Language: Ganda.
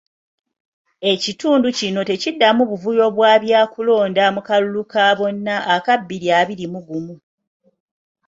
Ekitundu kino tekiddamu buvuyo bwa byakulonda mu kalulu ka bonna aka bbiri abiri mu gumu.